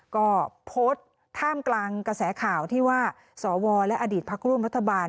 ก็โพสต์ท่ามกลางกระแสข่าวที่ว่าสวและอดีตพักร่วมรัฐบาล